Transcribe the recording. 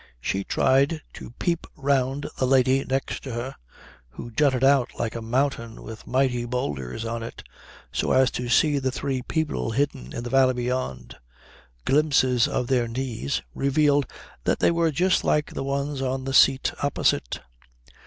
She tried to peep round the lady next to her, who jutted out like a mountain with mighty boulders on it, so as to see the three people hidden in the valley beyond. Glimpses of their knees revealed that they were just like the ones on the seat opposite.